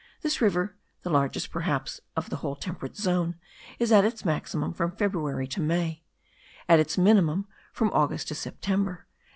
This river (the largest perhaps of the whole temperate zone) is at its maximum from February to May; at its minimum in August and September.